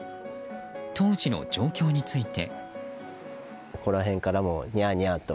当時の状況について。